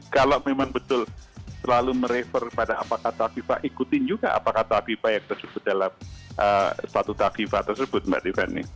kalau memang betul selalu merefer pada apa kata fifa ikutin juga apa kata fifa yang tersebut dalam statuta fifa tersebut mbak tiffany